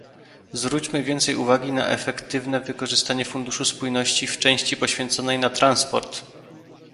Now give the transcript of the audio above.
zwróćmy więcej uwagi na efektywne wykorzystanie funduszu spójności w części poświęconej na transport!